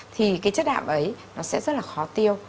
thì cái chất đạm ấy nó sẽ rất là khó tiêu